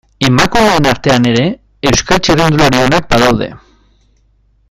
Emakumeen artean ere, Euskal txirrindulari onak badaude.